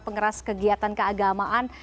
pengeras kegiatan keagamaan